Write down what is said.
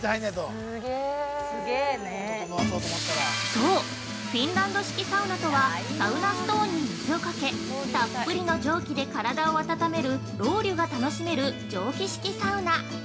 ◆そう、フィンランド式サウナとは、サウナストーンに水をかけたっぷりの蒸気で体を温めるロウリュが楽しめる蒸気式サウナ。